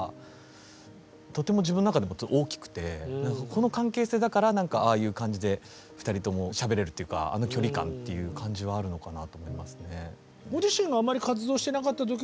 この関係性だからああいう感じで２人ともしゃべれるっていうかあの距離感っていう感じはあるのかなと思いますね。